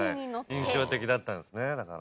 印象的だったんですねだから。